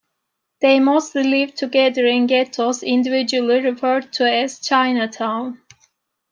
They mostly lived together in ghettos, individually referred to as "Chinatown".